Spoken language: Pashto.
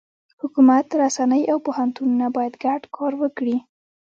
حکومت، رسنۍ، او پوهنتونونه باید ګډ کار وکړي.